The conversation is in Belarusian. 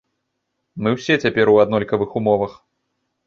Мы ўсе цяпер у аднолькавых умовах.